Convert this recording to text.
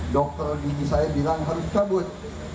dokter gigi saya bilang harus cabut